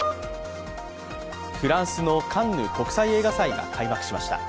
フランスのカンヌ国際映画祭が開幕しました。